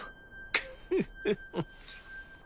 クフフフ！